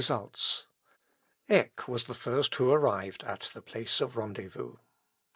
Eck was the first who arrived at the place of rendezvous.